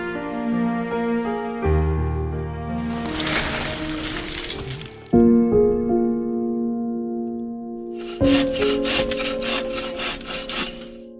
คุณคิม่อโพ